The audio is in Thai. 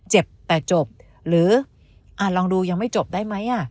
เจ็บแต่จบหรือลองดูยังไม่จบได้ไหม